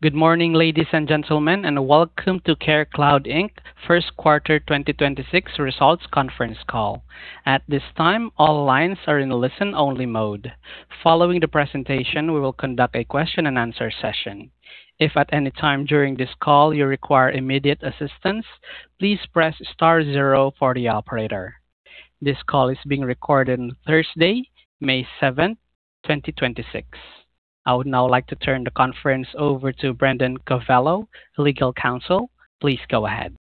Good morning, ladies and gentlemen, and welcome to CareCloud, Inc.'s Q1 2026 results conference call. At this time, all lines are in listen-only mode. Following the presentation, we will conduct a question-and-answer session. If at any time during this call you require immediate assistance, please press star zero for the operator. This call is being recorded Thursday, May 7th, 2026. I would now like to turn the conference over to Brendan Covello, Legal Counsel. Please go ahead.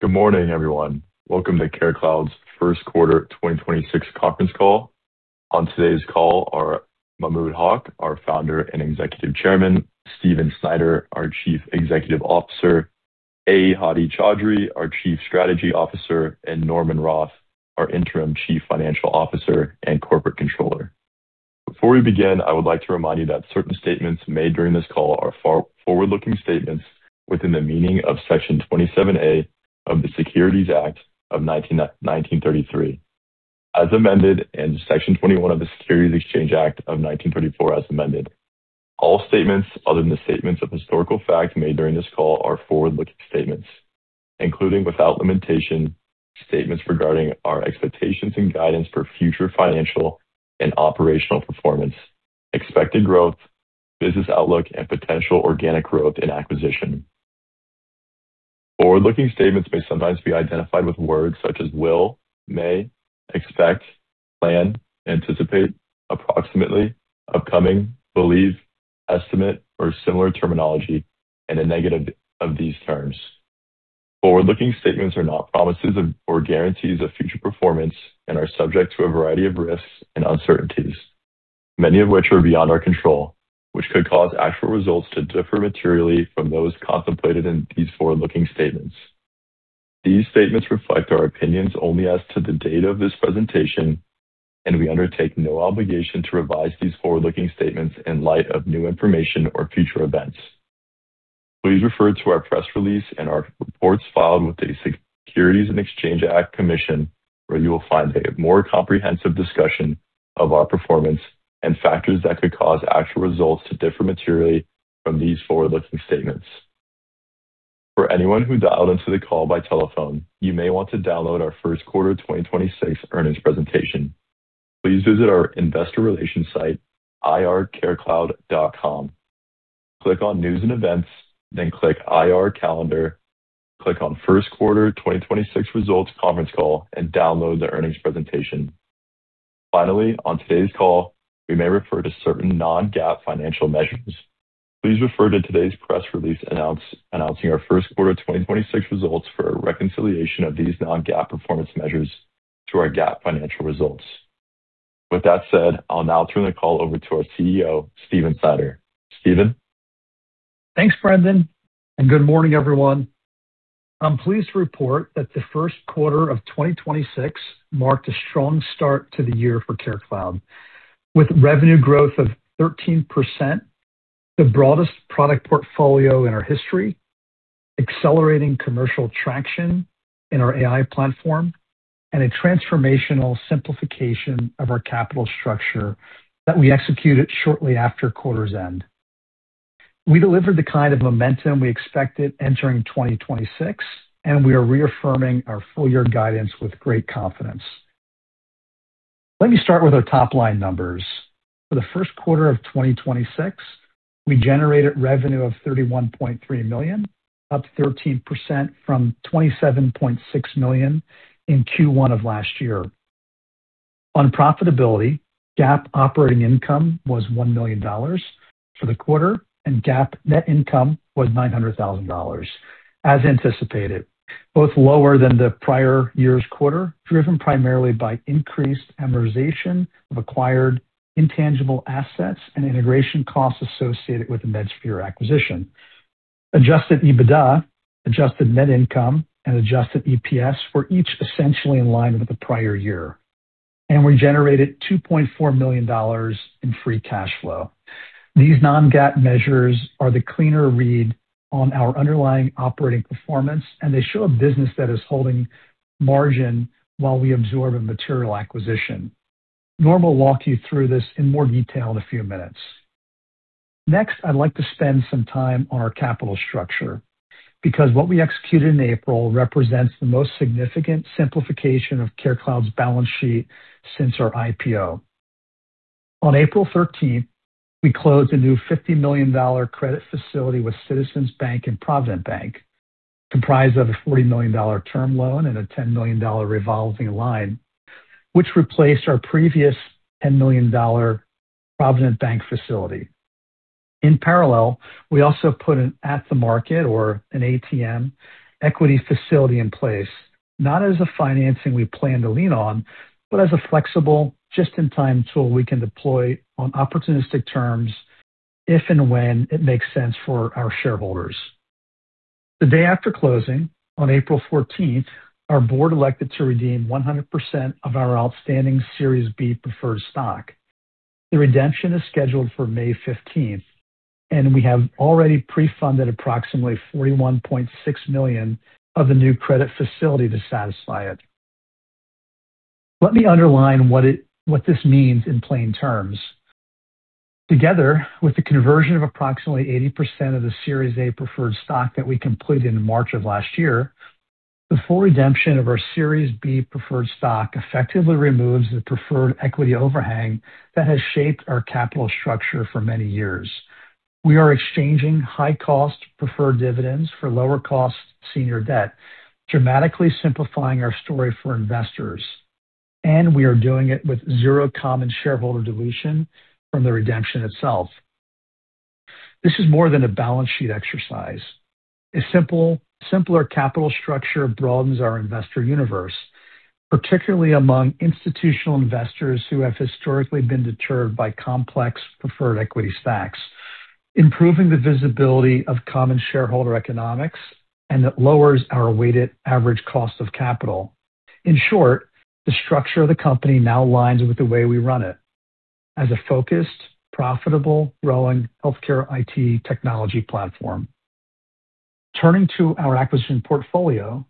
Good morning, everyone. Welcome to CareCloud's Q1 2026 conference call. On today's call are Mahmud Haq, our Founder and Executive Chairman, Stephen Snyder, our Chief Executive Officer, A. Hadi Chaudhry, our Chief Strategy Officer, and Norman Roth, our Interim Chief Financial Officer and Corporate Controller. Before we begin, I would like to remind you that certain statements made during this call are forward-looking statements within the meaning of Section 27A of the Securities Act of 1933, as amended, and Section 21 of the Securities Exchange Act of 1934, as amended. All statements other than the statements of historical fact made during this call are forward-looking statements, including, without limitation, statements regarding our expectations and guidance for future financial and operational performance, expected growth, business outlook, and potential organic growth and acquisition. Forward-looking statements may sometimes be identified with words such as will, may, expect, plan, anticipate, approximately, upcoming, believe, estimate, or similar terminology and a negative of these terms. Forward-looking statements are not promises of or guarantees of future performance and are subject to a variety of risks and uncertainties, many of which are beyond our control, which could cause actual results to differ materially from those contemplated in these forward-looking statements. These statements reflect our opinions only as to the date of this presentation, and we undertake no obligation to revise these forward-looking statements in light of new information or future events. Please refer to our press release and our reports filed with the Securities and Exchange Commission, where you will find a more comprehensive discussion of our performance and factors that could cause actual results to differ materially from these forward-looking statements. For anyone who dialed into the call by telephone, you may want to download our Q1 2026 earnings presentation. Please visit our investor relations site, ir.carecloud.com. Click on News and Events, click IR Calendar. Click on Q1 2026 Results Conference Call, download the earnings presentation. Finally, on today's call, we may refer to certain non-GAAP financial measures. Please refer to today's press release announcing our Q1 2026 results for a reconciliation of these non-GAAP performance measures to our GAAP financial results. With that said, I'll now turn the call over to our CEO, Stephen Snyder. Stephen? Thanks, Brendan. Good morning, everyone. I'm pleased to report that the Q1 of 2026 marked a strong start to the year for CareCloud. With revenue growth of 13%, the broadest product portfolio in our history, accelerating commercial traction in our AI platform, and a transformational simplification of our capital structure that we executed shortly after quarter's end. We delivered the kind of momentum we expected entering 2026. We are reaffirming our full-year guidance with great confidence. Let me start with our top-line numbers. For the Q1 of 2026, we generated revenue of $31.3 million, up 13% from $27.6 million in Q1 of last year. On profitability, GAAP operating income was $1 million for the quarter, and GAAP net income was $900,000, as anticipated, both lower than the prior year's quarter, driven primarily by increased amortization of acquired intangible assets and integration costs associated with the Medsphere acquisition. Adjusted EBITDA, adjusted net income, and adjusted EPS were each essentially in line with the prior year, and we generated $2.4 million in free cash flow. These non-GAAP measures are the cleaner read on our underlying operating performance, and they show a business that is holding margin while we absorb a material acquisition. Norm will walk you through this in more detail in a few minutes. Next, I'd like to spend some time on our capital structure because what we executed in April represents the most significant simplification of CareCloud's balance sheet since our IPO. On April 13th, 2026 we closed a new $50 million credit facility with Citizens Bank and Provident Bank, comprised of a $40 million term loan and a $10 million revolving line, which replaced our previous $10 million Provident Bank facility. In parallel, we also put an at-the-market or an ATM equity facility in place, not as a financing we plan to lean on, but as a flexible just-in-time tool we can deploy on opportunistic terms if and when it makes sense for our shareholders. The day after closing, on April 14th, 2026 our board elected to redeem 100% of our outstanding Series B preferred stock. The redemption is scheduled for May 15th, 2026 and we have already pre-funded approximately $41.6 million of the new credit facility to satisfy it. Let me underline what this means in plain terms. Together with the conversion of approximately 80% of the Series A preferred stock that we completed in March of last year, the full redemption of our Series B preferred stock effectively removes the preferred equity overhang that has shaped our capital structure for many years. We are exchanging high-cost preferred dividends for lower cost senior debt, dramatically simplifying our story for investors, and we are doing it with zero common shareholder dilution from the redemption itself. This is more than a balance sheet exercise. A simpler capital structure broadens our investor universe, particularly among institutional investors who have historically been deterred by complex preferred equity stacks, improving the visibility of common shareholder economics, and that lowers our weighted average cost of capital. In short, the structure of the company now aligns with the way we run it: as a focused, profitable, growing healthcare IT technology platform. Turning to our acquisition portfolio,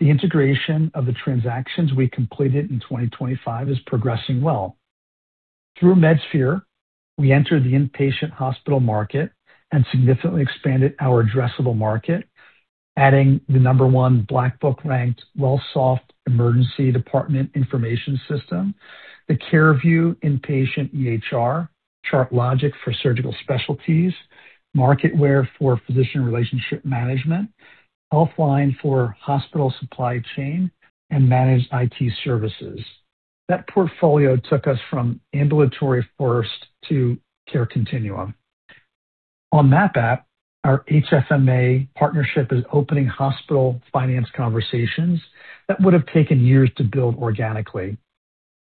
the integration of the transactions we completed in 2025 is progressing well. Through Medsphere, we entered the inpatient hospital market and significantly expanded our addressable market, adding the number one Black Book ranked Wellsoft emergency department information system, the CareVue inpatient EHR, ChartLogic for surgical specialties, Marketware for physician relationship management, HealthLine for hospital supply chain, and managed IT services. That portfolio took us from ambulatory first to care continuum. On MAP App, our HFMA partnership is opening hospital finance conversations that would have taken years to build organically.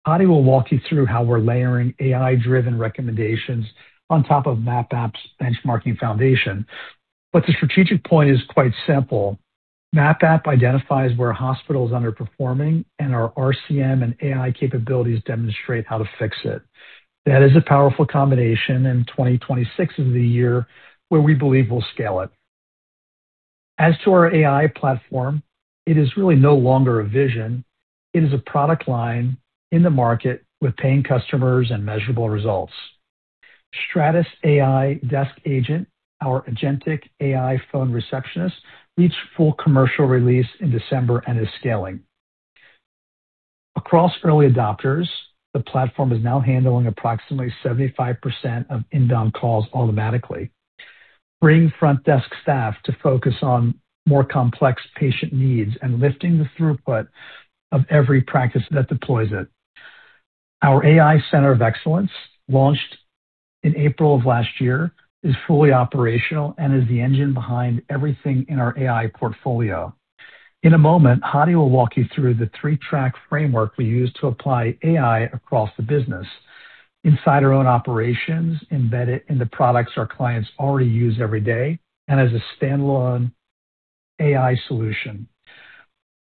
Hadi will walk you through how we're layering AI-driven recommendations on top of MAP App's benchmarking foundation. The strategic point is quite simple. MAP App identifies where a hospital is underperforming, and our RCM and AI capabilities demonstrate how to fix it. That is a powerful combination. 2026 is the year where we believe we'll scale it. As to our AI platform, it is really no longer a vision. It is a product line in the market with paying customers and measurable results. stratusAI Desk Agent, our agentic AI phone receptionist, reached full commercial release in December and is scaling. Across early adopters, the platform is now handling approximately 75% of inbound calls automatically, freeing front desk staff to focus on more complex patient needs and lifting the throughput of every practice that deploys it. Our AI Center of Excellence, launched in April of last year, is fully operational and is the engine behind everything in our AI portfolio. In a moment, Hadi will walk you through the three-track framework we use to apply AI across the business. Inside our own operations, embedded in the products our clients already use every day, and as a standalone AI solution.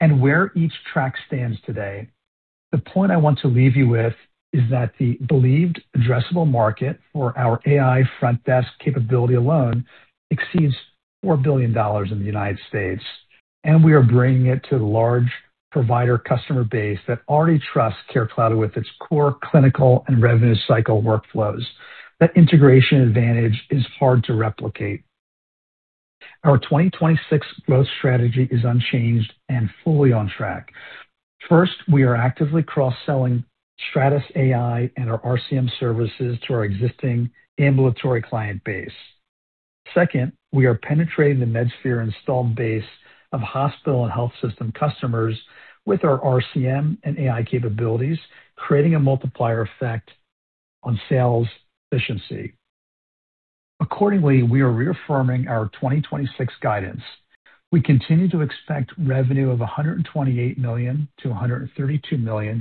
Where each track stands today. The point I want to leave you with is that the believed addressable market for our AI front desk capability alone exceeds $4 billion in the United States, and we are bringing it to the large provider customer base that already trusts CareCloud with its core clinical and revenue cycle workflows. That integration advantage is hard to replicate. Our 2026 growth strategy is unchanged and fully on track. First, we are actively cross-selling stratusAI and our RCM services to our existing ambulatory client base. Second, we are penetrating the Medsphere installed base of hospital and health system customers with our RCM and AI capabilities, creating a multiplier effect on sales efficiency. Accordingly, we are reaffirming our 2026 guidance. We continue to expect revenue of $128 million-$132 million,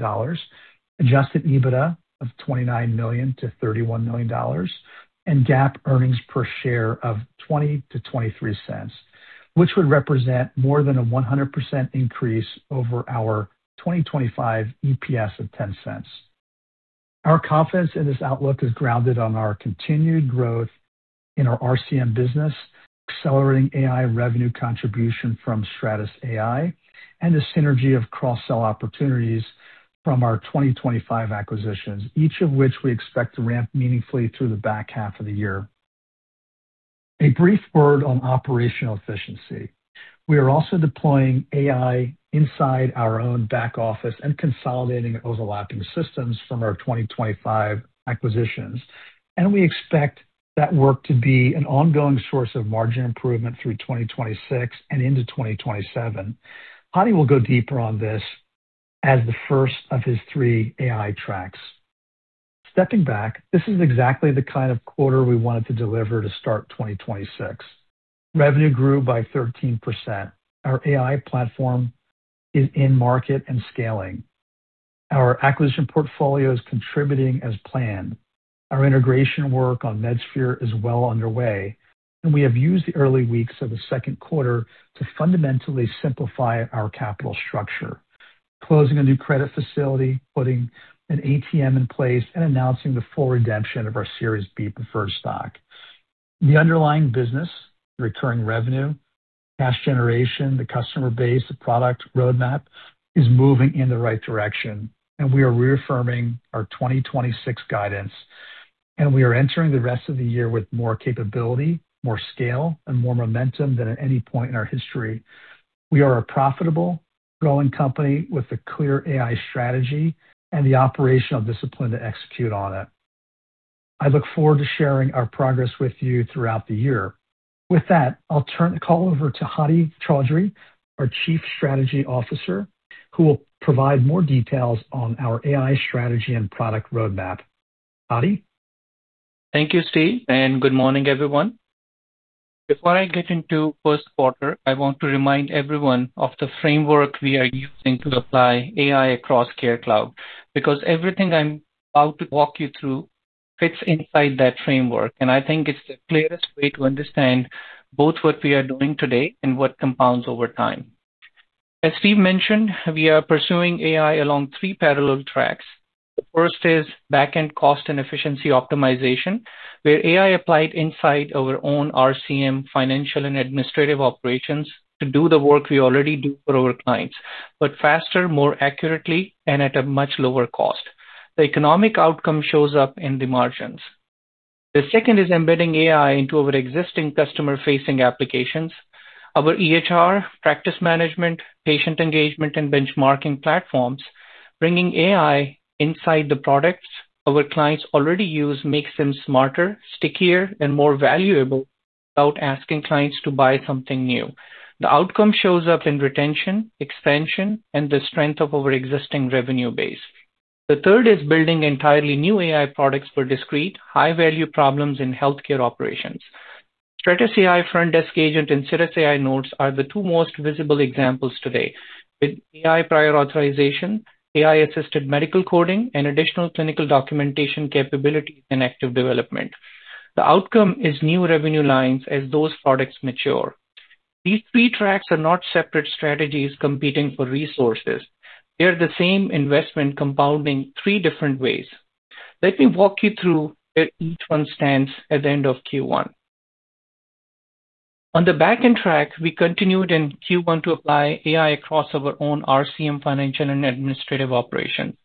adjusted EBITDA of $29 million-$31 million, and GAAP earnings per share of $0.20-$0.23, which would represent more than a 100% increase over our 2025 EPS of $0.10. Our confidence in this outlook is grounded on our continued growth in our RCM business, accelerating AI revenue contribution from stratusAI, and the synergy of cross-sell opportunities from our 2025 acquisitions, each of which we expect to ramp meaningfully through the back half of the year. A brief word on operational efficiency. We are also deploying AI inside our own back office and consolidating overlapping systems from our 2025 acquisitions, and we expect that work to be an ongoing source of margin improvement through 2026 and into 2027. Hadi will go deeper on this as the first of his three AI tracks. Stepping back, this is exactly the kind of quarter we wanted to deliver to start 2026. Revenue grew by 13%. Our AI platform is in market and scaling. Our acquisition portfolio is contributing as planned. Our integration work on Medsphere is well underway. We have used the early weeks of the Q2 to fundamentally simplify our capital structure, closing a new credit facility, putting an ATM in place, and announcing the full redemption of our Series B preferred stock. The underlying business, recurring revenue, cash generation, the customer base, the product roadmap is moving in the right direction. We are reaffirming our 2026 guidance. We are entering the rest of the year with more capability, more scale, and more momentum than at any point in our history. We are a profitable growing company with a clear AI strategy and the operational discipline to execute on it. I look forward to sharing our progress with you throughout the year. With that, I'll turn the call over to Hadi Chaudhry, our Chief Strategy Officer, who will provide more details on our AI strategy and product roadmap. Hadi. Thank you, Steve, and good morning, everyone. Before I get into Q1, I want to remind everyone of the framework we are using to apply AI across CareCloud, because everything I'm about to walk you through fits inside that framework. I think it's the clearest way to understand both what we are doing today and what compounds over time. As Steve mentioned, we are pursuing AI along three parallel tracks. The first is back-end cost and efficiency optimization, where AI applied inside our own RCM financial and administrative operations to do the work we already do for our clients, but faster, more accurately, and at a much lower cost. The economic outcome shows up in the margins. The second is embedding AI into our existing customer-facing applications, our EHR, practice management, patient engagement, and benchmarking platforms. Bringing AI inside the products our clients already use makes them smarter, stickier, more valuable without asking clients to buy something new. The outcome shows up in retention, expansion, and the strength of our existing revenue base. The third is building entirely new AI products for discrete high-value problems in healthcare operations. stratusAI Desk Agent and cirrusAI Notes are the two most visible examples today. With AI prior authorization, AI-assisted medical coding, and additional clinical documentation capabilities in active development. The outcome is new revenue lines as those products mature. These three tracks are not separate strategies competing for resources. They are the same investment compounding three different ways. Let me walk you through where each one stands at the end of Q1. On the back-end track, we continued in Q1 to apply AI across our own RCM financial and administrative operations.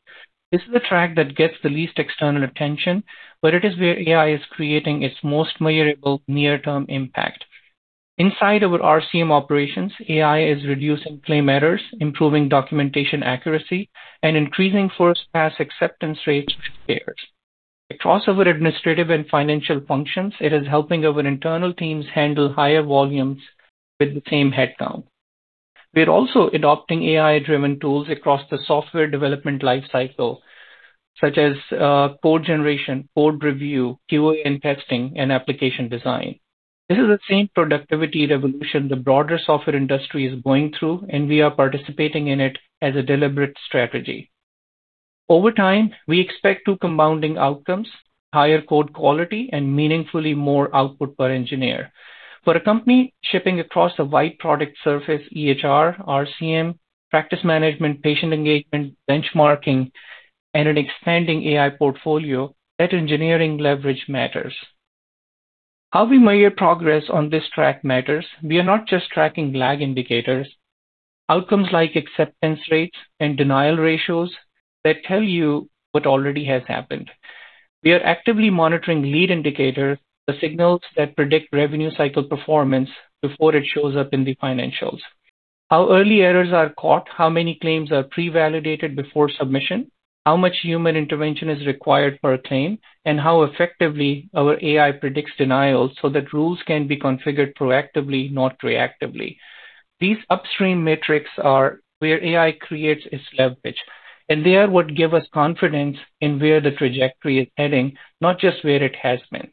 This is the track that gets the least external attention, but it is where AI is creating its most measurable near-term impact. Inside our RCM operations, AI is reducing claim errors, improving documentation accuracy, and increasing first-pass acceptance rates with payers. Across our administrative and financial functions, it is helping our internal teams handle higher volumes with the same headcount. We are also adopting AI-driven tools across the software development life cycle, such as code generation, code review, QA and testing, and application design. This is the same productivity revolution the broader software industry is going through, and we are participating in it as a deliberate strategy. Over time, we expect two compounding outcomes: higher code quality and meaningfully more output per engineer. For a company shipping across a wide product surface, EHR, RCM, practice management, patient engagement, benchmarking, and an expanding AI portfolio, that engineering leverage matters. How we measure progress on this track matters. We are not just tracking lag indicators. Outcomes like acceptance rates and denial ratios that tell you what already has happened. We are actively monitoring lead indicators, the signals that predict revenue cycle performance before it shows up in the financials. How early errors are caught, how many claims are pre-validated before submission, how much human intervention is required for a claim, and how effectively our AI predicts denials so that rules can be configured proactively, not reactively. These upstream metrics are where AI creates its leverage, and they are what give us confidence in where the trajectory is heading, not just where it has been.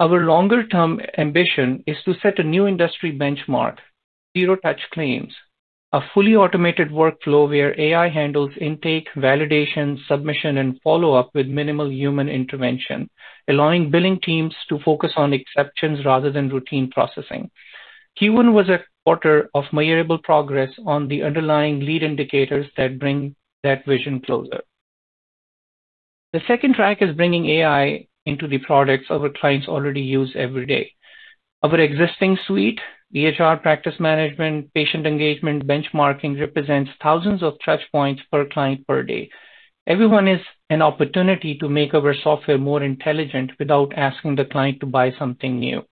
Our longer-term ambition is to set a new industry benchmark, zero touch claims, a fully automated workflow where AI handles intake, validation, submission, and follow-up with minimal human intervention, allowing billing teams to focus on exceptions rather than routine processing. Q1 was a quarter of measurable progress on the underlying lead indicators that bring that vision closer. The second track is bringing AI into the products our clients already use every day. Our existing suite, EHR practice management, patient engagement, benchmarking, represents thousands of touch points per client per day. Every one is an opportunity to make our software more intelligent without asking the client to buy something new.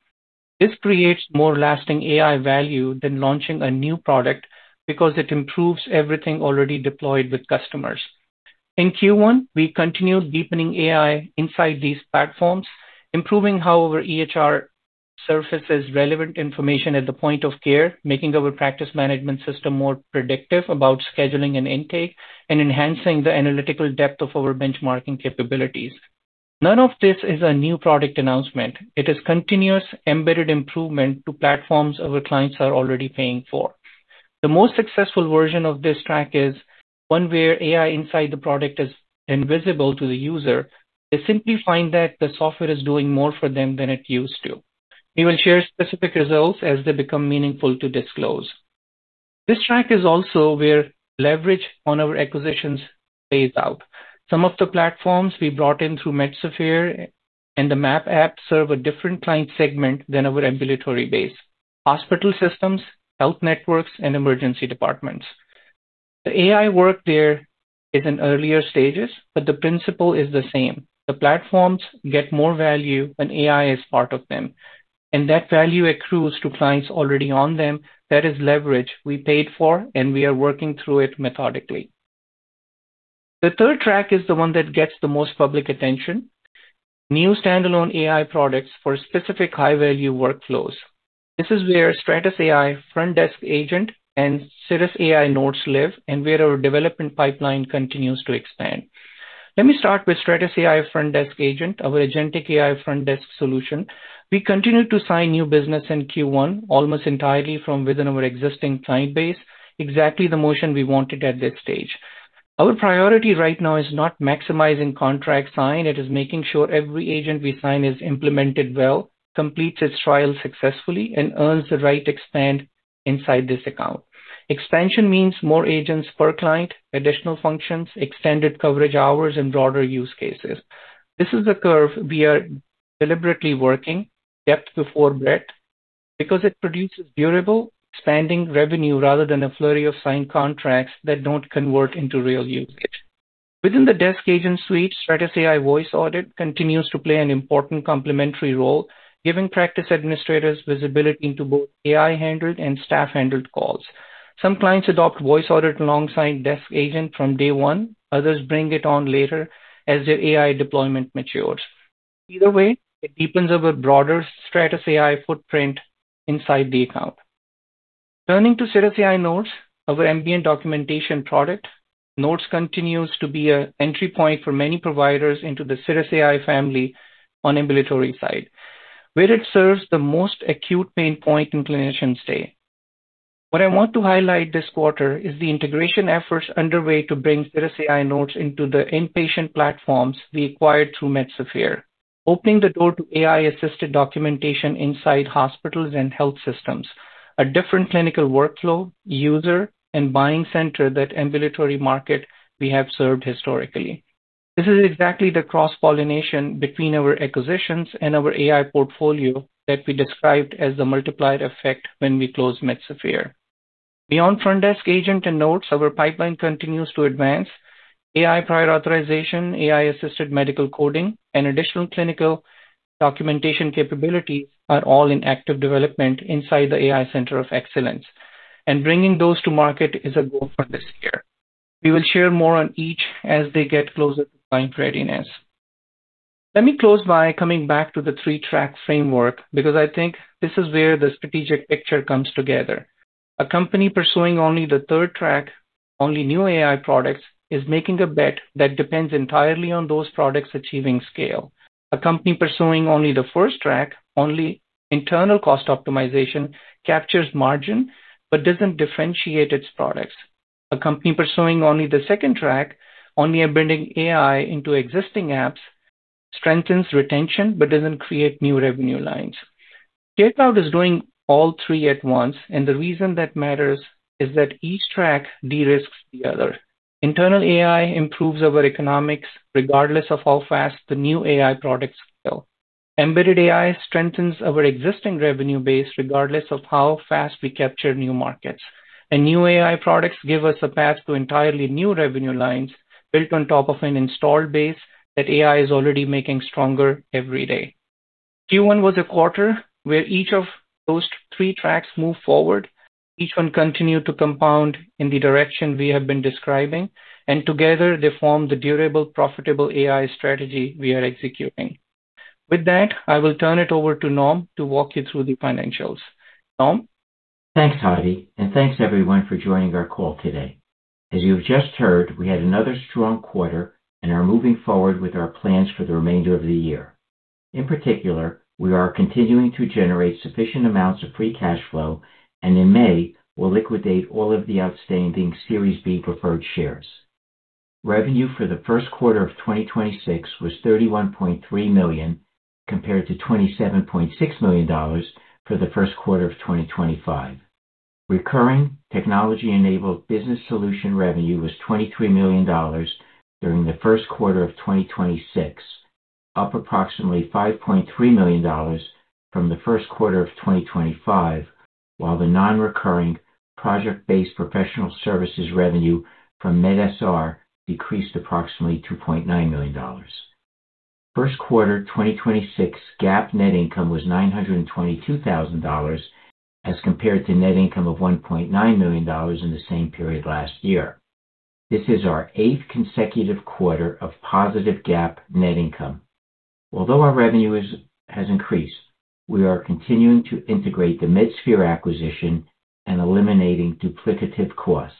This creates more lasting AI value than launching a new product because it improves everything already deployed with customers. In Q1, we continued deepening AI inside these platforms, improving how our EHR surfaces relevant information at the point of care, making our practice management system more predictive about scheduling and intake, and enhancing the analytical depth of our benchmarking capabilities. None of this is a new product announcement. It is continuous embedded improvement to platforms our clients are already paying for. The most successful version of this track is one where AI inside the product is invisible to the user. They simply find that the software is doing more for them than it used to. We will share specific results as they become meaningful to disclose. This track is also where leverage on our acquisitions pays out. Some of the platforms we brought in through Medsphere and the MAP App serve a different client segment than our ambulatory base. Hospital systems, health networks, and emergency departments. The AI work there is in earlier stages, but the principle is the same. The platforms get more value when AI is part of them, and that value accrues to clients already on them. That is leverage we paid for, and we are working through it methodically. The third track is the one that gets the most public attention. New standalone AI products for specific high-value workflows. This is where Stratus AI Front Desk Agent and cirrusAI Notes live and where our development pipeline continues to expand. Let me start with Stratus AI Front Desk Agent, our agentic AI front desk solution. We continue to sign new business in Q1 almost entirely from within our existing client base, exactly the motion we wanted at this stage. Our priority right now is not maximizing contract sign. It is making sure every agent we sign is implemented well, completes its trial successfully, and earns the right to expand inside this account. Expansion means more agents per client, additional functions, extended coverage hours, and broader use cases. This is the curve we are deliberately working, depth before breadth, because it produces durable standing revenue rather than a flurry of signed contracts that don't convert into real usage. Within the desk agent suite, stratusAI Voice Audit continues to play an important complementary role, giving practice administrators visibility into both AI-handled and staff-handled calls. Some clients adopt Voice Audit alongside stratusAI Desk Agent from day one. Others bring it on later as their AI deployment matures. Either way, it deepens our broader stratusAI footprint inside the account. Turning to cirrusAI Notes, our ambient documentation product, Notes continues to be an entry point for many providers into the cirrusAI family on ambulatory side, where it serves the most acute pain point in clinician's day. What I want to highlight this quarter is the integration efforts underway to bring cirrusAI Notes into the inpatient platforms we acquired through Medsphere, opening the door to AI-assisted documentation inside hospitals and health systems. A different clinical workflow, user, and buying center that ambulatory market we have served historically. This is exactly the cross-pollination between our acquisitions and our AI portfolio that we described as the multiplier effect when we closed Medsphere. Beyond front desk agent and notes, our pipeline continues to advance. AI prior authorization, AI-assisted medical coding, and additional clinical documentation capabilities are all in active development inside the AI Center of Excellence, and bringing those to market is a goal for this year. We will share more on each as they get closer to client readiness. Let me close by coming back to the three-track framework because I think this is where the strategic picture comes together. A company pursuing only the third track, only new AI products, is making a bet that depends entirely on those products achieving scale. A company pursuing only the first track, only internal cost optimization, captures margin but doesn't differentiate its products. A company pursuing only the second track, only embedding AI into existing apps, strengthens retention but doesn't create new revenue lines. CareCloud is doing all three at once, and the reason that matters is that each track de-risks the other. Internal AI improves our economics regardless of how fast the new AI products scale. Embedded AI strengthens our existing revenue base regardless of how fast we capture new markets. New AI products give us a path to entirely new revenue lines built on top of an installed base that AI is already making stronger every day. Q1 was a quarter where each of those three tracks moved forward. Each one continued to compound in the direction we have been describing, and together they form the durable, profitable AI strategy we are executing. With that, I will turn it over to Norm to walk you through the financials. Norm? Thanks, Hadi. Thanks everyone for joining our call today. As you've just heard, we had another strong quarter and are moving forward with our plans for the remainder of the year. In particular, we are continuing to generate sufficient amounts of free cash flow, and in May, we'll liquidate all of the outstanding Series B preferred shares. Revenue for the Q1 of 2026 was $31.3 million, compared to $27.6 million for the Q1 of 2025. Recurring technology-enabled business solution revenue was $23 million during the Q1 of 2026, up approximately $5.3 million from the Q1 of 2025, while the non-recurring project-based professional services revenue from Medsphere decreased approximately $2.9 million. Q1 2026 GAAP net income was $922,000 as compared to net income of $1.9 million in the same period last year. This is our eighth consecutive quarter of positive GAAP net income. Although our revenue has increased, we are continuing to integrate the Medsphere acquisition and eliminating duplicative costs.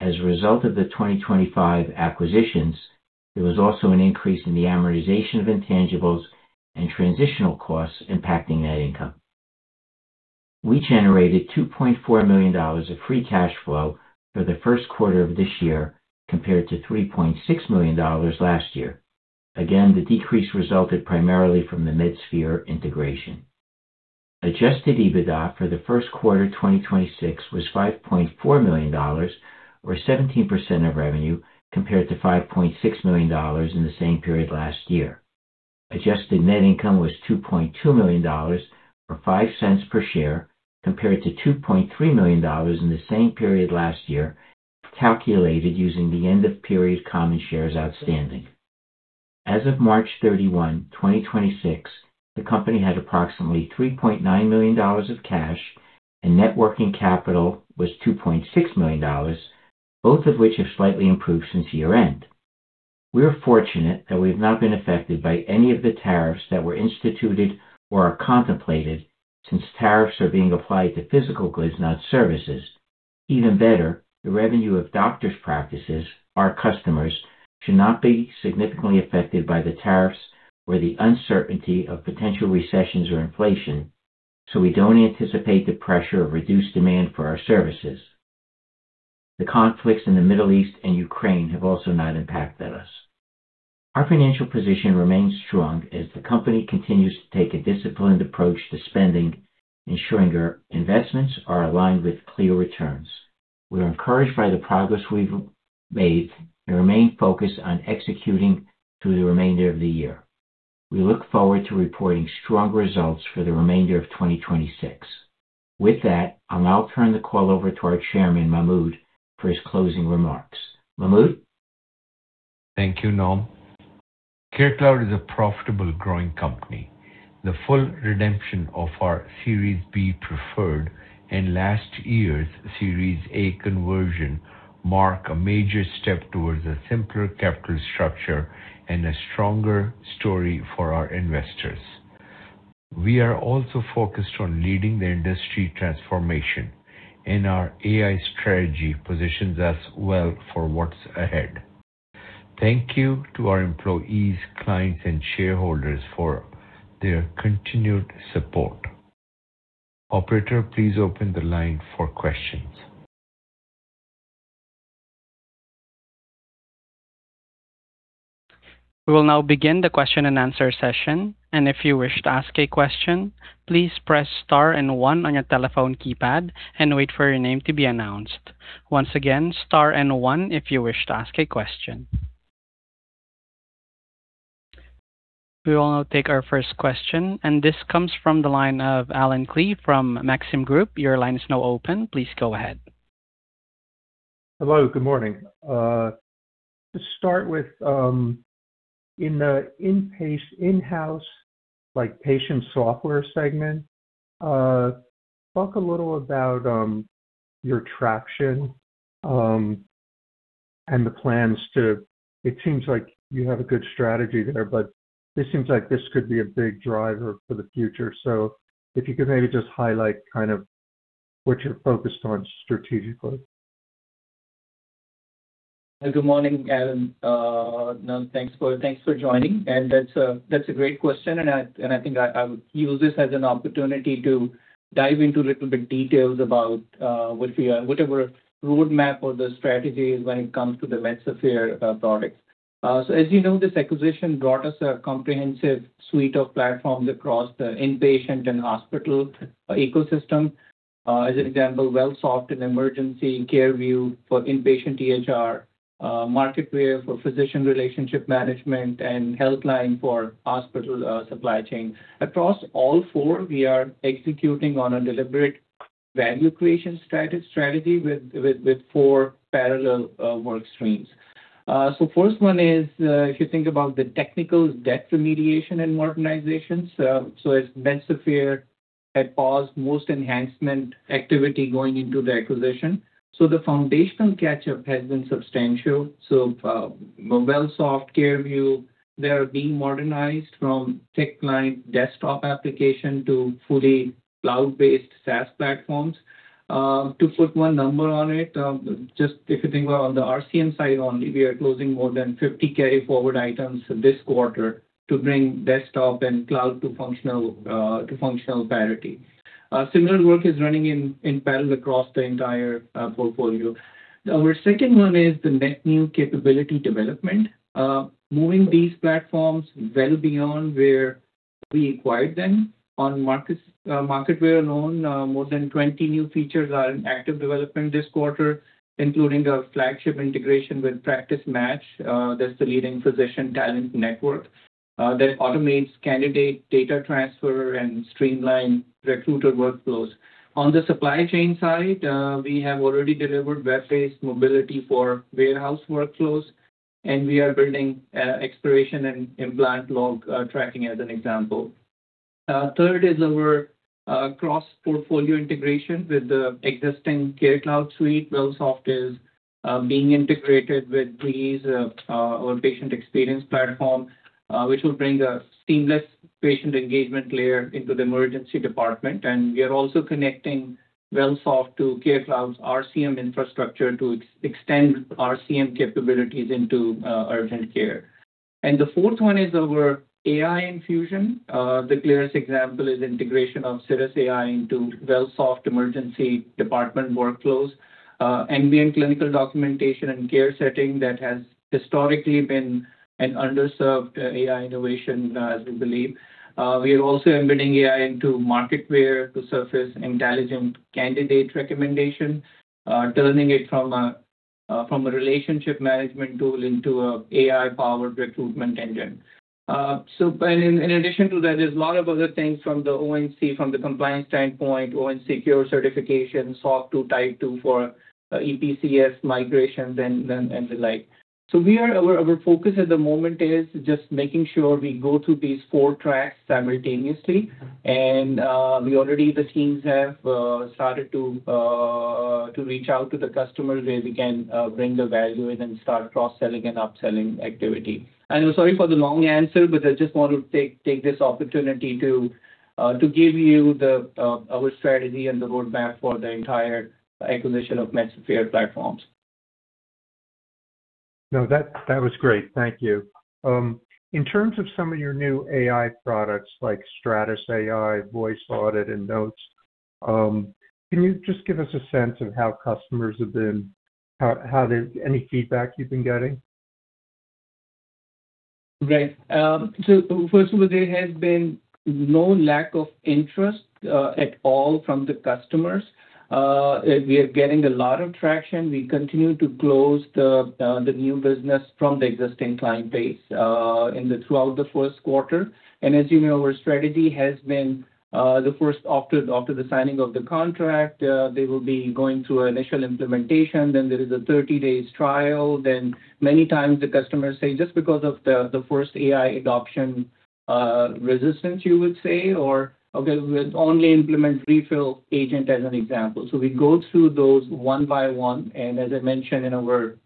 As a result of the 2025 acquisitions, there was also an increase in the amortization of intangibles and transitional costs impacting net income. We generated $2.4 million of free cash flow for the Q1 of this year, compared to $3.6 million last year. Again, the decrease resulted primarily from the Medsphere integration. Adjusted EBITDA for the Q1 of 2026 was $5.4 million or 17% of revenue compared to $5.6 million in the same period last year. Adjusted net income was $2.2 million or $0.05 per share compared to $2.3 million in the same period last year, calculated using the end of period common shares outstanding. As of March 31st, 2026, the company had approximately $3.9 million of cash and net working capital was $2.6 million, both of which have slightly improved since year-end. We are fortunate that we have not been affected by any of the tariffs that were instituted or are contemplated since tariffs are being applied to physical goods, not services. Even better, the revenue of doctor's practices, our customers, should not be significantly affected by the tariffs or the uncertainty of potential recessions or inflation. We don't anticipate the pressure of reduced demand for our services. The conflicts in the Middle East and Ukraine have also not impacted us. Our financial position remains strong as the company continues to take a disciplined approach to spending, ensuring our investments are aligned with clear returns. We are encouraged by the progress we've made and remain focused on executing through the remainder of the year. We look forward to reporting strong results for the remainder of 2026. With that, I'll now turn the call over to our chairman, Mahmud, for his closing remarks. Mahmud? Thank you, Norm. CareCloud is a profitable, growing company. The full redemption of our Series B preferred and last year's Series A conversion mark a major step towards a simpler capital structure and a stronger story for our investors. We are also focused on leading the industry transformation, and our AI strategy positions us well for what's ahead. Thank you to our employees, clients, and shareholders for their continued support. Operator, please open the line for questions. We will now begin the question and answer session. If you wish to ask a question, please press star and one on your telephone keypad and wait for your name to be announced. Once again, star and one if you wish to ask a question. We will now take our first question. This comes from the line of Allen Klee from Maxim Group. Your line is now open. Please go ahead. Hello, good morning. To start with, in the in-house like patient software segment, talk a little about your traction. It seems like you have a good strategy there, but this seems like this could be a big driver for the future. If you could maybe just highlight kind of what you're focused on strategically. Good morning, Allen. Norm, thanks for joining. That's a great question, and I think I'll use this as an opportunity to dive into a little bit details about what our roadmap or the strategy is when it comes to the Medsphere products. As you know, this acquisition brought us a comprehensive suite of platforms across the inpatient and hospital ecosystem. As an example, Wellsoft and CareVue for inpatient EHR, Marketware for physician relationship management, and HealthLine for hospital supply chain. Across all four, we are executing on a deliberate value creation strategy with four parallel work streams. First one is, if you think about the technical debt remediation and modernization. As Medsphere had paused most enhancement activity going into the acquisition. The foundational catch-up has been substantial. Wellsoft, CareVue, they are being modernized from thick client desktop application to fully cloud-based SaaS platforms. To put one number on it, just if you think about on the RCM side only, we are closing more than 50 carry-forward items this quarter to bring desktop and cloud to functional, to functional parity. Similar work is running in parallel across the entire portfolio. Our second one is the net new capability development. Moving these platforms well beyond where we acquired them. Marketware alone, more than 20 new features are in active development this quarter, including a flagship integration with PracticeMatch. That's the leading physician talent network that automates candidate data transfer and streamline recruiter workflows. On the supply chain side, we have already delivered web-based mobility for warehouse workflows, and we are building expiration and implant log tracking as an example. Third is our cross-portfolio integration with the existing CareCloud Suite. Wellsoft is being integrated with Breeze, our patient experience platform, which will bring a seamless patient engagement layer into the emergency department. We are also connecting Wellsoft to CareCloud's RCM infrastructure to extend RCM capabilities into urgent care. The fourth one is our AI infusion. The clearest example is integration of stratusAI into Wellsoft emergency department workflows. We're in clinical documentation and care setting that has historically been an underserved AI innovation as we believe. We are also embedding AI into Marketware to surface intelligent candidate recommendation, turning it from a relationship management tool into a AI-powered recruitment engine. In addition to that, there's a lot of other things from the ONC from the compliance standpoint, ONC Cures certification, SOC 2 Type II for EPCS migrations and the like. Our focus at the moment is just making sure we go through these four tracks simultaneously. We already the teams have started to reach out to the customers where we can bring the value in and start cross-selling and upselling activity. Sorry for the long answer, but I just want to take this opportunity to give you the our strategy and the roadmap for the entire acquisition of Medsphere platforms. That, that was great. Thank you. In terms of some of your new AI products like stratusAI Voice Audit and cirrusAI Notes, can you just give us a sense of how customers have been, any feedback you've been getting? Right. First of all, there has been no lack of interest at all from the customers. We are getting a lot of traction. We continue to close the new business from the existing client base in the throughout the Q1. As you know, our strategy has been the first after the signing of the contract, they will be going through an initial implementation. There is a 30 days trial. Many times the customers say just because of the first AI adoption resistance, you would say, or, "Okay, we'll only implement refill agent," as an example. We go through those one by one, and as I mentioned in our,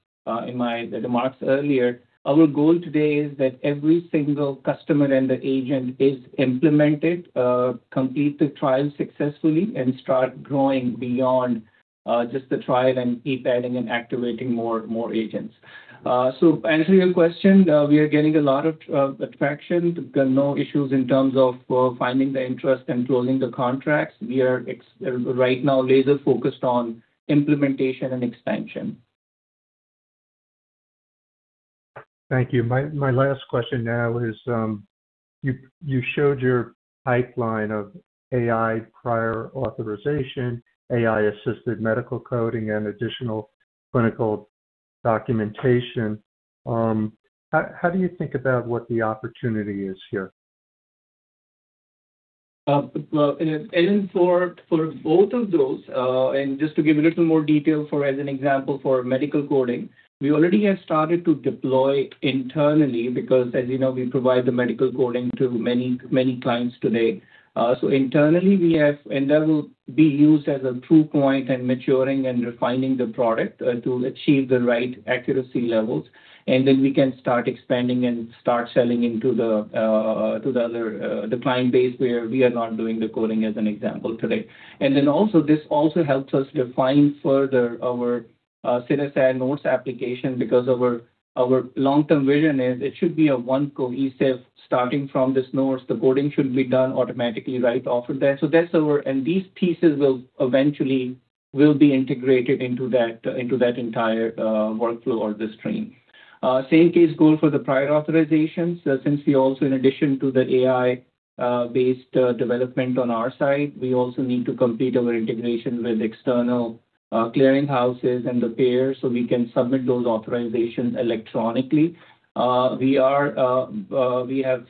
in my remarks earlier, our goal today is that every single customer and the agent is implemented, complete the trial successfully, and start growing beyond, just the trial and keep adding and activating more agents. To answer your question, we are getting a lot of traction. There are no issues in terms of finding the interest and closing the contracts. We are right now laser focused on implementation and expansion. Thank you. My last question now is, you showed your pipeline of AI prior authorization, AI-assisted medical coding, and additional clinical documentation. How do you think about what the opportunity is here? Well, for both of those, just to give a little more detail for, as an example, for medical coding, we already have started to deploy internally because as you know, we provide the medical coding to many, many clients today. Internally, we have and that will be used as a proof point in maturing and refining the product, to achieve the right accuracy levels. Then we can start expanding and start selling into the other client base where we are not doing the coding as an example today. Also, this also helps us refine further our Stratus AI Notes application because our long-term vision is it should be a one cohesive starting from this notes. The coding should be done automatically right off of there. These pieces will eventually be integrated into that entire workflow or the stream. Same case goal for the prior authorizations, since we also, in addition to the AI-based development on our side, we also need to complete our integration with external clearing houses and the payers, so we can submit those authorizations electronically. We have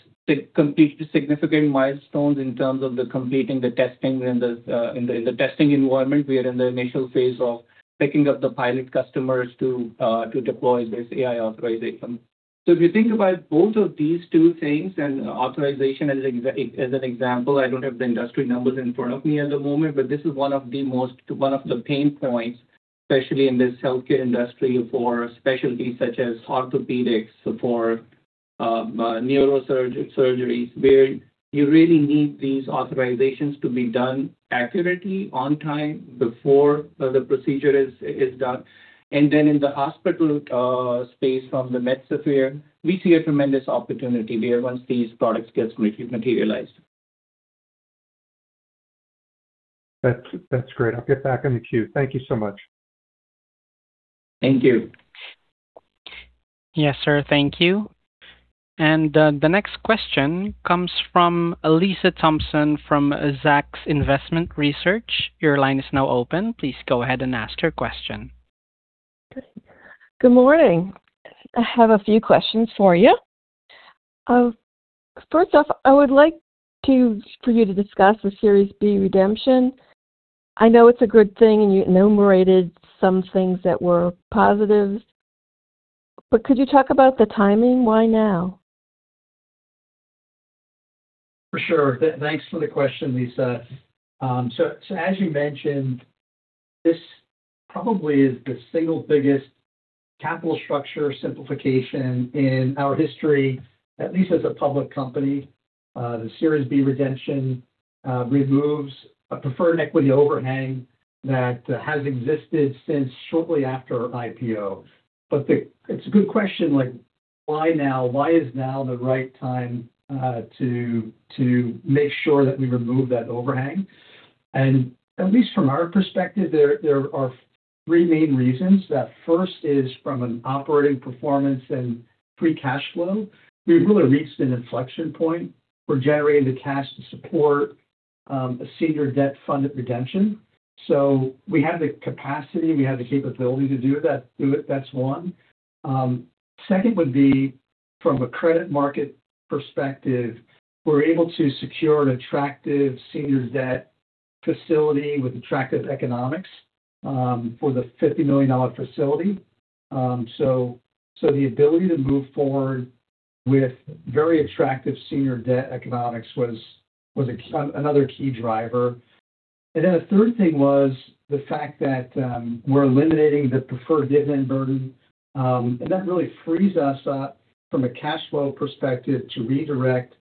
completed significant milestones in terms of completing the testing in the testing environment. We are in the initial phase of picking up the pilot customers to deploy this AI authorization. If you think about both of these two things and authorization as an example, I don't have the industry numbers in front of me at the moment, but this is one of the most one of the pain points, especially in this healthcare industry for specialties such as orthopedics, for neurosurgery, where you really need these authorizations to be done accurately, on time, before the procedure is done. In the hospital space from the Medsphere, we see a tremendous opportunity there once these products get materialized. That's great. I'll get back in the queue. Thank you so much. Thank you. Yes, sir. Thank you. The next question comes from Lisa Thompson from Zacks Investment Research. Your line is now open. Please go ahead and ask your question. Good morning. I have a few questions for you. First off, I would like to, for you to discuss the Series B redemption. I know it's a good thing, and you enumerated some things that were positive. Could you talk about the timing? Why now? For sure. Thanks for the question, Lisa. As you mentioned, this probably is the single biggest capital structure simplification in our history, at least as a public company. The Series B redemption removes a preferred equity overhang that has existed since shortly after IPO. It's a good question, like why now? Why is now the right time to make sure that we remove that overhang? At least from our perspective, there are three main reasons. First is from an operating performance and free cash flow. We've really reached an inflection point. We're generating the cash to support a senior debt-funded redemption. We have the capacity, we have the capability to do that, do it. That's one. Second would be from a credit market perspective, we're able to secure an attractive senior debt facility with attractive economics for the $50 million facility. So the ability to move forward with very attractive senior debt economics was another key driver. The third thing was the fact that we're eliminating the preferred dividend burden. That really frees us up from a cash flow perspective to redirect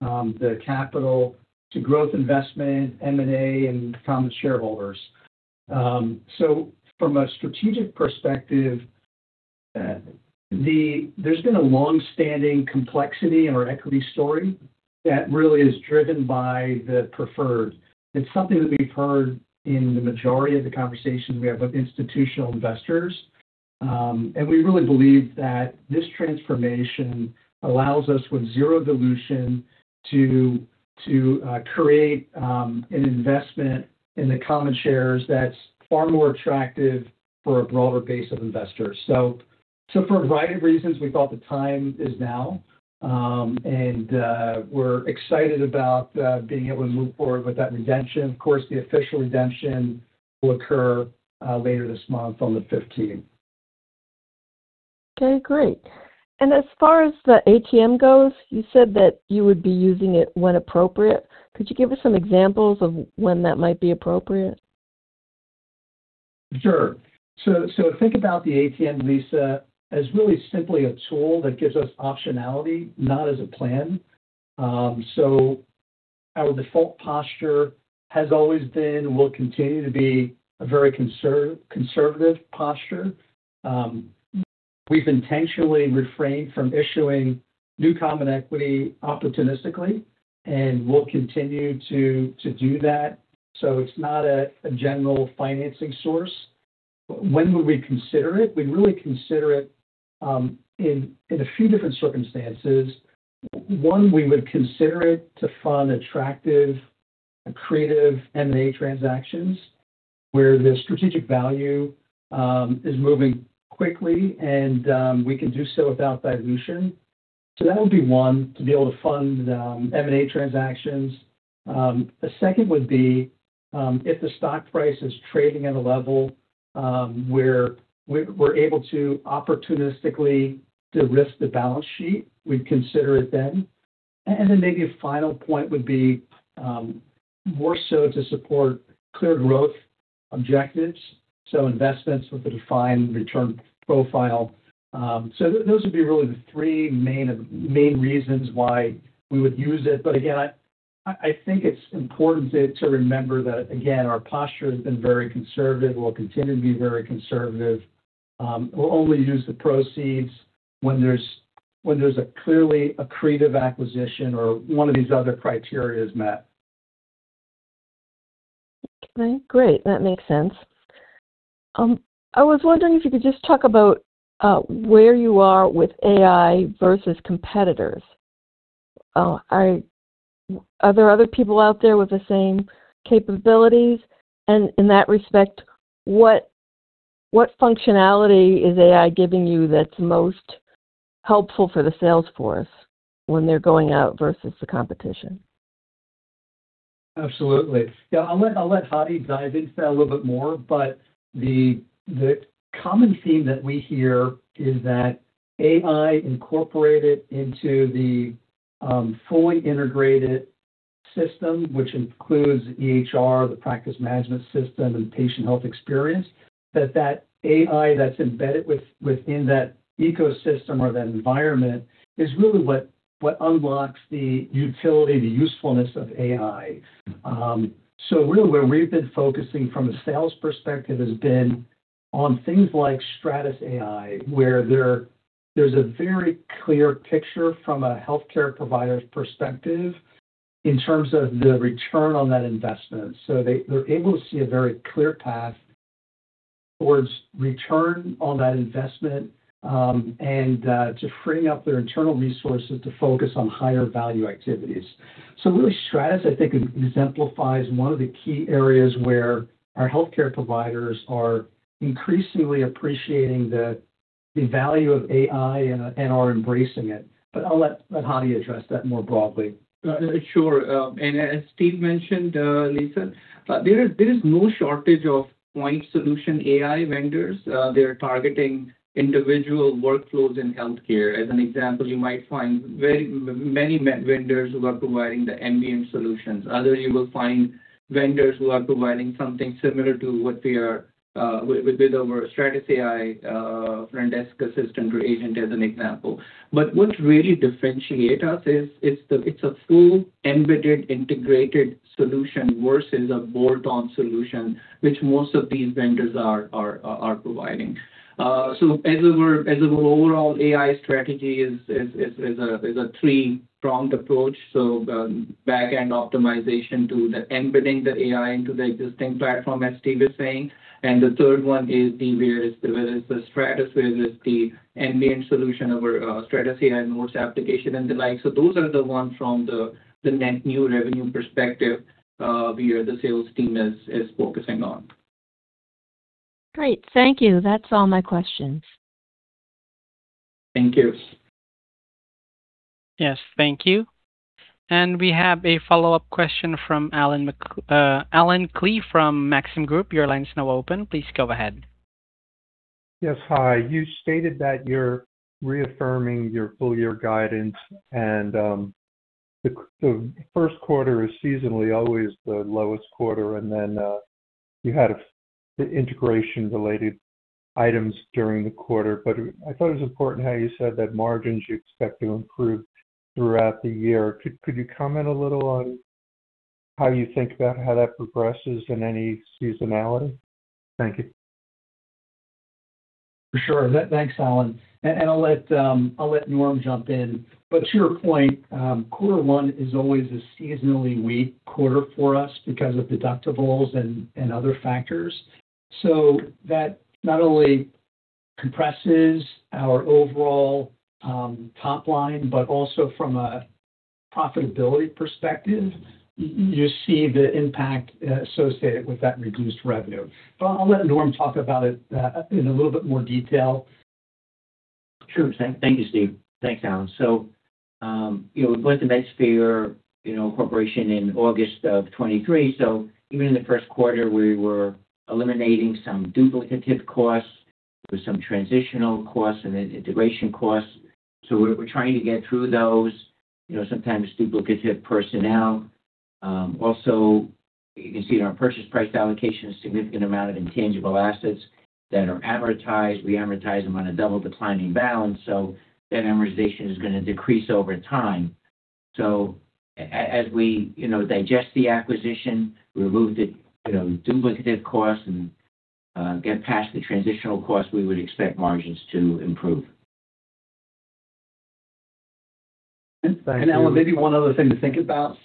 the capital to growth investment, M&A, and common shareholders. From a strategic perspective, there's been a longstanding complexity in our equity story that really is driven by the preferred. It's something that we've heard in the majority of the conversations we have with institutional investors. We really believe that this transformation allows us, with zero dilution, to create an investment in the common shares that's far more attractive for a broader base of investors. For a variety of reasons, we thought the time is now. We're excited about being able to move forward with that redemption. Of course, the official redemption will occur later this month on the fifteenth. Okay, great. As far as the ATM goes, you said that you would be using it when appropriate. Could you give us some examples of when that might be appropriate? Sure. So think about the ATM Visa as really simply a tool that gives us optionality, not as a plan. Our default posture has always been, will continue to be a very conservative posture. We've intentionally refrained from issuing new common equity opportunistically, and we'll continue to do that. It's not a general financing source. When would we consider it? We'd really consider it in a few different circumstances. One, we would consider it to fund attractive, creative M&A transactions where the strategic value is moving quickly and we can do so without dilution. That would be one, to be able to fund M&A transactions. A second would be, if the stock price is trading at a level, where we're able to opportunistically de-risk the balance sheet, we'd consider it then. Then maybe a final point would be, more so to support clear growth objectives, so investments with a defined return profile. Those would be really the three main reasons why we would use it. Again, I think it's important to remember that, again, our posture has been very conservative, will continue to be very conservative. We'll only use the proceeds when there's a clearly accretive acquisition or one of these other criteria is met. Okay, great. That makes sense. I was wondering if you could just talk about, where you are with AI versus competitors. Are there other people out there with the same capabilities? In that respect, what functionality is AI giving you that's most helpful for the sales force when they're going out versus the competition? Absolutely. I'll let Hadi dive into that a little bit more. The common theme that we hear is that AI incorporated into the fully integrated system, which includes EHR, the practice management system, and patient health experience, that AI that's embedded within that ecosystem or that environment is really what unlocks the utility, the usefulness of AI. Really where we've been focusing from a sales perspective has been on things like stratusAI, where there's a very clear picture from a healthcare provider's perspective in terms of the return on that investment. They're able to see a very clear path towards return on that investment and to free up their internal resources to focus on higher value activities. Really stratusAI, I think, exemplifies one of the key areas where our healthcare providers are increasingly appreciating the value of AI and are embracing it. I'll let Hadi address that more broadly. Sure. As Steve mentioned, Lisa, there is no shortage of point solution AI vendors. They are targeting individual workflows in healthcare. As an example, you might find very many med vendors who are providing the ambient solutions. Other, you will find vendors who are providing something similar to what we are with our stratusAI front desk assistant or agent as an example. What really differentiate us is, it's a full embedded integrated solution versus a bolt-on solution, which most of these vendors are providing. As a whole overall AI strategy is a three-pronged approach, back-end optimization to the embedding the AI into the existing platform, as Steve was saying. The third one is the various, whether it's the `stratusAI`, whether it's the ambient solution of our `stratusAI` voice application and the like. Those are the ones from the net new revenue perspective, we are the sales team is focusing on. Great. Thank you. That's all my questions. Thank you. Yes, thank you. We have a follow-up question from Allen Klee from Maxim Group. Your line is now open. Please go ahead. Yes, hi. You stated that you're reaffirming your full-year guidance, and the Q1 is seasonally always the lowest quarter, and you had the integration-related items during the quarter. I thought it was important how you said that margins you expect to improve throughout the year. Could you comment a little on how you think about how that progresses and any seasonality? Thank you. For sure. Thanks, Allen. I'll let Norman jump in. To your point, quarter one is always a seasonally weak quarter for us because of deductibles and other factors. That not only compresses our overall top line, but also from a profitability perspective, you see the impact associated with that reduced revenue. I'll let Norman talk about it in a little bit more detail. Sure thing. Thank you, Steve. Thanks, Allen. We bought the Medsphere, you know, corporation in August of 2023. Even in the Q1, we were eliminating some duplicative costs. There was some transitional costs and then integration costs. We're trying to get through those, you know, sometimes duplicative personnel. Also, you can see in our purchase price allocation, a significant amount of intangible assets that are amortized. We amortize them on a double declining balance, so that amortization is gonna decrease over time. As we, you know, digest the acquisition, remove the, you know, duplicative costs and get past the transitional costs, we would expect margins to improve. Thank you. Allen, maybe one other thing to think about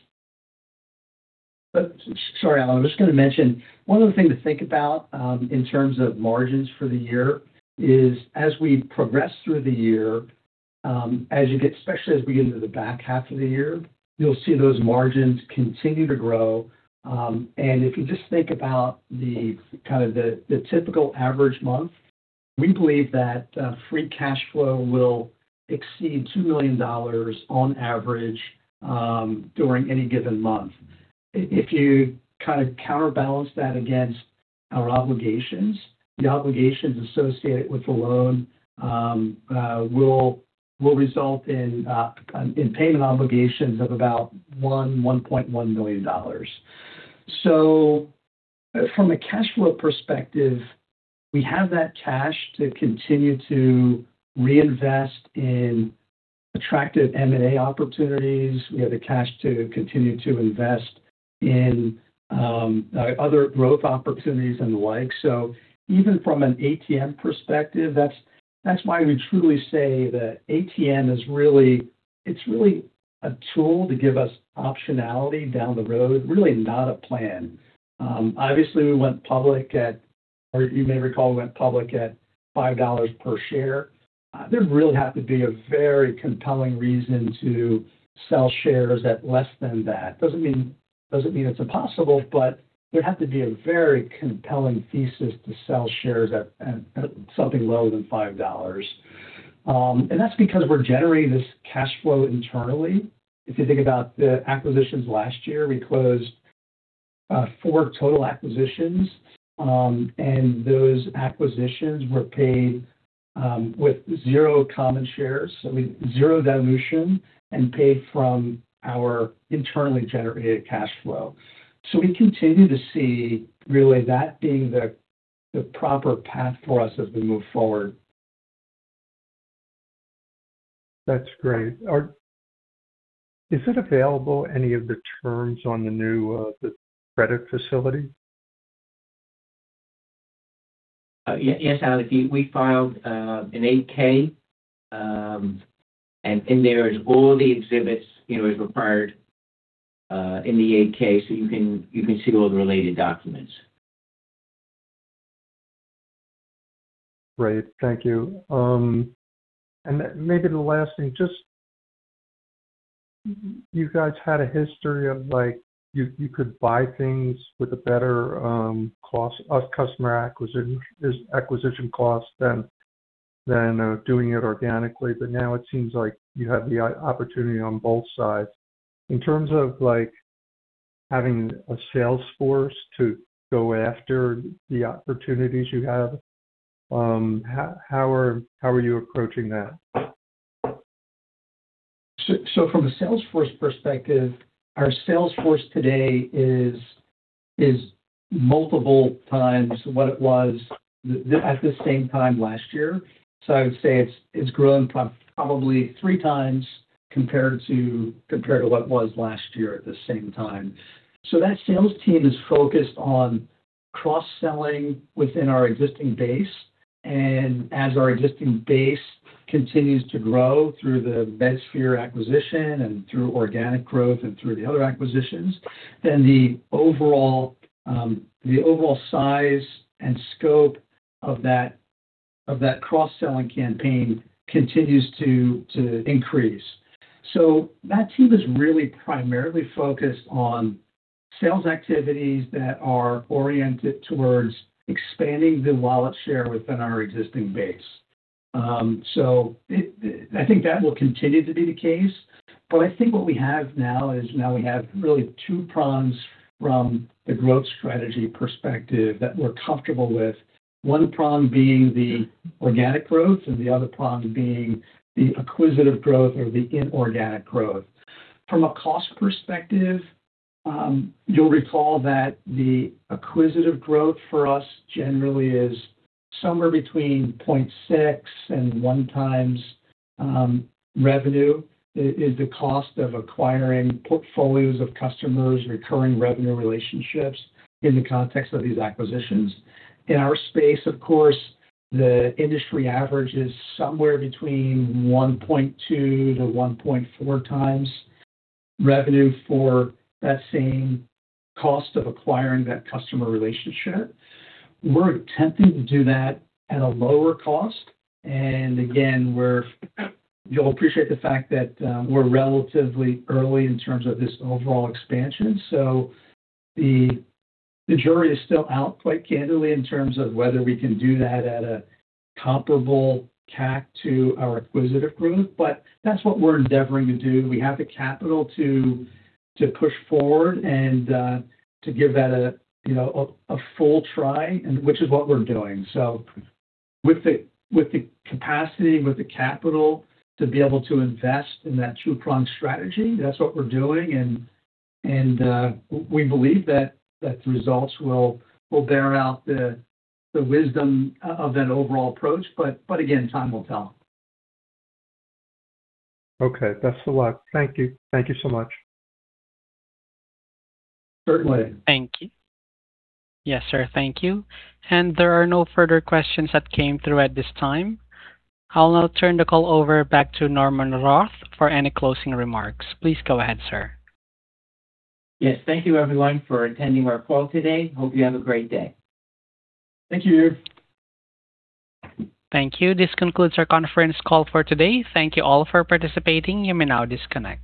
Sorry, Allen, I'm just gonna mention, one other thing to think about, in terms of margins for the year is as we progress through the year, especially as we get into the back half of the year, you'll see those margins continue to grow. If you just think about the, kinda the typical average month, we believe that free cash flow will exceed $2 million on average, during any given month. If you kinda counterbalance that against our obligations, the obligations associated with the loan, will result in payment obligations of about $1.1 million. From a cash flow perspective, we have that cash to continue to reinvest in attractive M&A opportunities. We have the cash to continue to invest in other growth opportunities and the like. Even from an ATM perspective, that's why we truly say that ATM is really a tool to give us optionality down the road, really not a plan. You may recall we went public at $5 per share. There'd really have to be a very compelling reason to sell shares at less than that. Doesn't mean it's impossible, but there'd have to be a very compelling thesis to sell shares at something lower than $5. That's because we're generating this cash flow internally. If you think about the acquisitions last year, we closed four total acquisitions. Those acquisitions were paid with 0 common shares. I mean, zero dilution and paid from our internally generated cash flow. We continue to see really that being the proper path for us as we move forward. That's great. Is it available, any of the terms on the new, the credit facility? Yes, Allen. We filed an 8-K, and in there is all the exhibits, you know, as required in the 8-K, so you can see all the related documents. Great. Thank you. Maybe the last thing, You guys had a history of, like, you could buy things with a better customer acquisition cost than doing it organically. Now it seems like you have the opportunity on both sides. In terms of, like, having a sales force to go after the opportunities you have, how are you approaching that? From a sales force perspective, our sales force today is multiple times what it was at the same time last year. I would say it's grown probably three times compared to what it was last year at the same time. That sales team is focused on cross-selling within our existing base. As our existing base continues to grow through the Medsphere acquisition and through organic growth and through the other acquisitions, then the overall size and scope of that cross-selling campaign continues to increase. That team is really primarily focused on sales activities that are oriented towards expanding the wallet share within our existing base. It, I think that will continue to be the case. I think what we have now is now we have really two prongs from the growth strategy perspective that we're comfortable with. One prong being the organic growth and the other prong being the acquisitive growth or the inorganic growth. From a cost perspective, you'll recall that the acquisitive growth for us generally is somewhere between 0.6x and 1x revenue, the cost of acquiring portfolios of customers, recurring revenue relationships in the context of these acquisitions. In our space, of course, the industry average is somewhere between 1.2x-1.4x revenue for that same cost of acquiring that customer relationship. We're attempting to do that at a lower cost. Again, you'll appreciate the fact that we're relatively early in terms of this overall expansion. The jury is still out, quite candidly, in terms of whether we can do that at a comparable CAC to our acquisitive growth. That's what we're endeavoring to do. We have the capital to push forward and to give that a, you know, a full try, and which is what we're doing. With the capacity, with the capital to be able to invest in that two-prong strategy, that's what we're doing. We believe that the results will bear out the wisdom of that overall approach. Again, time will tell. Okay. That's the lot. Thank you. Thank you so much. Certainly. Thank you. Yes, sir. Thank you. There are no further questions that came through at this time. I'll now turn the call over back to Norman Roth for any closing remarks. Please go ahead, sir. Yes. Thank you everyone for attending our call today. Hope you have a great day. Thank you. Thank you. This concludes our conference call for today. Thank you all for participating. You may now disconnect.